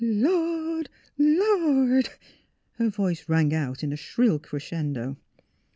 Lord ! Lord !'' Her voice rang out in a shrill crescendo.